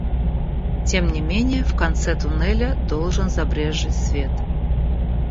Тем не менее в конце туннеля должен забрезжить свет.